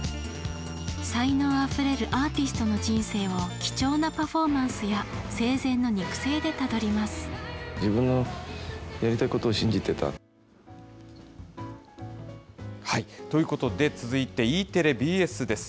才能あふれるアーティストの人生を、貴重なパフォーマンスや生前自分のやりたいことを信じてということで、続いてＥテレ、ＢＳです。